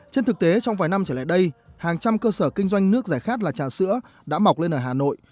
trên thực tế trong vài năm trở lại đây hàng trăm cơ sở kinh doanh nước giải khát là trà sữa đã mọc lên ở hà nội